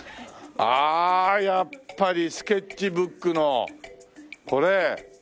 ああやっぱりスケッチブックのこれ。